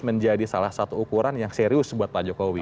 menjadi salah satu ukuran yang serius buat pak jokowi